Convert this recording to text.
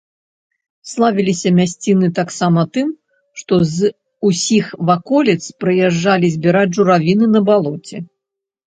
Славіліся мясціны таксама тым, што з усіх ваколіц прыязджалі збіраць журавіны на балоце.